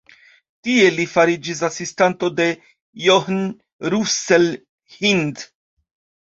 Tie li fariĝis asistanto de John Russell Hind.